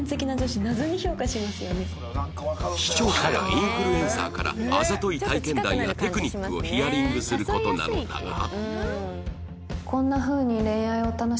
視聴者やインフルエンサーからあざとい体験談やテクニックをヒアリングする事なのだが